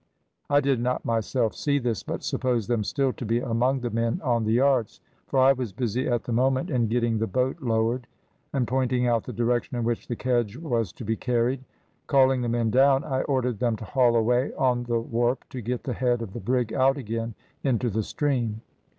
I did not myself see this, but supposed them still to be among the men on the yards, for I was busy at the moment in getting the boat lowered, and pointing out the direction in which the kedge was to be carried. Calling the men down, I ordered them to haul away on the warp to get the head of the brig out again into the stream.